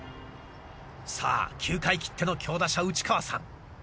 さあ球界きっての強打者内川さん。